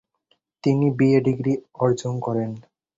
তিনি BA degree অর্জন করেন।